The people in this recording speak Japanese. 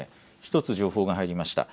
１つ情報が入りました。